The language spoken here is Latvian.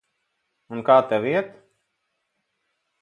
Un kā tev iet?